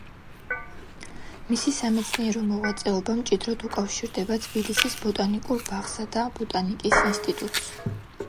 მისი სამეცნიერო მოღვაწეობა მჭიდროდ უკავშირდება თბილისის ბოტანიკურ ბაღსა და ბოტანიკის ინსტიტუტს.